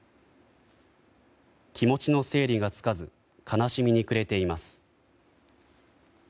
気持ちの整理がつかず悲しみに暮れています。